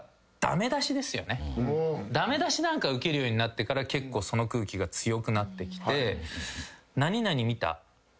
駄目出しなんか受けるようになってから結構その空気が強くなってきて。